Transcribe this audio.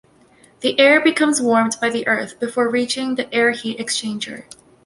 The air becomes warmed by the earth before reaching the air heat exchanger.